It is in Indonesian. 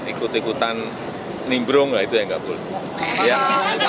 emang ada pak yang linggul pak